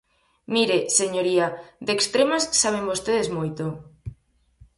Mire, señoría, de extremas saben vostedes moito.